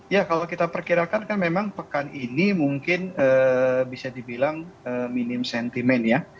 ya kalau kita perkirakan kan memang pekan ini mungkin bisa dibilang minim sentimen ya